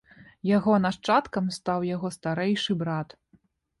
Яго нашчадкам стаў яго старэйшы брат.